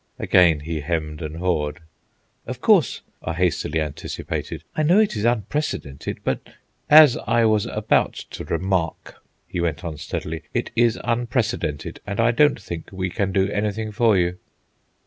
Again he hemmed and hawed. "Of course," I hastily anticipated, "I know it is unprecedented, but—" "As I was about to remark," he went on steadily, "it is unprecedented, and I don't think we can do anything for you."